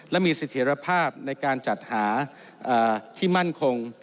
และมีสิทธิรภาพในการจัดหาที่มั่นคง